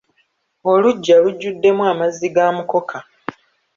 Oluggya lujjuddemu amazzi ga mukoka.